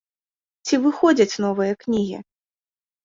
Ці выходзяць новыя кнігі?